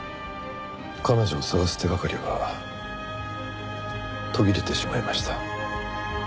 彼女を捜す手がかりは途切れてしまいました。